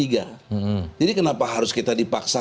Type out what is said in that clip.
jadi kenapa harus kita dipaksa